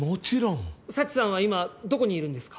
佐知さんは今どこにいるんですか？